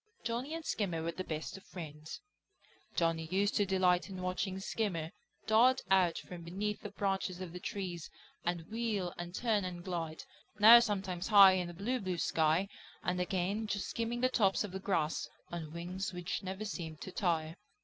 Johnny and Skimmer were the best of friends. Johnny used to delight in watching Skimmer dart out from beneath the branches of the trees and wheel and turn and glide, now sometimes high in the blue, blue sky, and again just skimming the tops of the grass, on wings which seemed never to tire.